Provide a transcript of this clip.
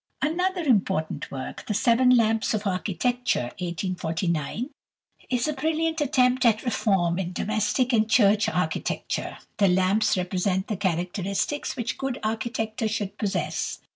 Another important work, "The Seven Lamps of Architecture" (1849), is a brilliant attempt at reform in domestic and church architecture. The "lamps" represent the characteristics which good architecture should possess.